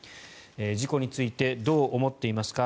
事故についてどう思っていますか？